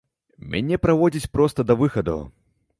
Мяне праводзяць проста да выхаду.